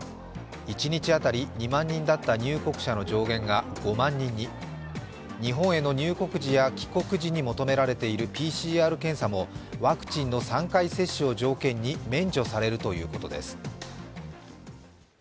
一日当たり２万人だった入国者の上限が５万人に、日本への入国時や帰国時に求められているＰＣＲ検査もワクチンの３回接種を条件に免除されるということです。